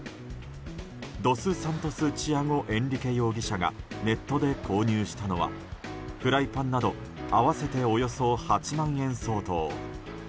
ドス・サントス・チアゴ・エンリケ容疑者がネットで購入したのはフライパンなど合わせておよそ８万円相当。